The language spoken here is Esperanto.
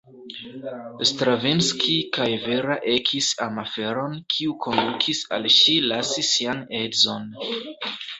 Stravinski kaj Vera ekis amaferon kiu kondukis al ŝi lasi sian edzon.